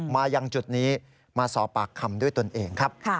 มายังจุดนี้มาสอบปากคำด้วยตนเองครับ